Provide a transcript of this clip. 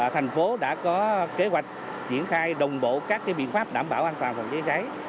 thành phố đã có kế hoạch triển khai đồng bộ các biện pháp đảm bảo an toàn phòng cháy cháy